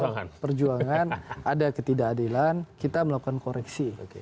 tapi soal perjuangan ada ketidakadilan kita melakukan koreksi